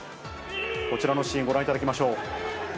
こちらのシーン、ご覧いただきましょう。